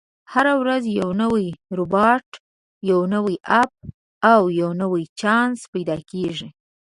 هره ورځ یو نوی روباټ، یو نوی اپ، او یو نوی چانس پیدا کېږي.